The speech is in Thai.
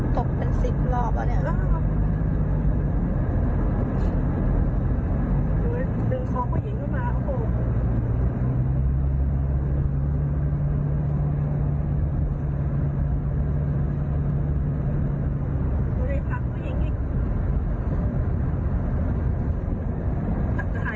ตัดถ่ายทะเบียรถ